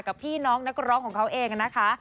กับพี่น้องนักร้องของเขาเองนะคะ